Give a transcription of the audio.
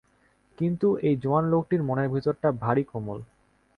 কিন্তু, এই জোয়ান লোকটির মনের ভিতরটা ভারি কোমল।